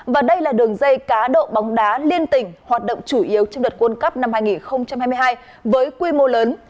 và đây là đường dây cá độ bóng đá liên tỉnh hoạt động chủ yếu trong đợt quân cấp năm hai nghìn hai mươi hai với quy mô lớn